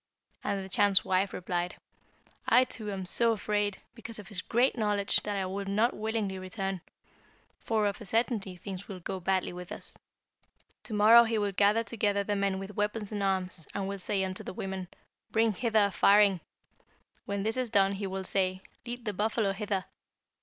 And the Chan's wife replied, 'I too am so afraid, because of his great knowledge, that I would not willingly return; for, of a certainty, things will go badly with us. To morrow he will gather together the men with weapons and arms, and will say unto the women, "Bring hither firing;" when this is done he will say, "Lead the buffalo hither."